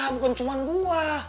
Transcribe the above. bukan cuman gua